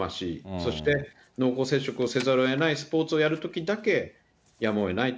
そして、濃厚接触をせざるをえないスポーツをやるときだけやむをえないと。